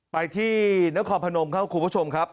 ไปที่นครพนมครับคุณผู้ชมครับ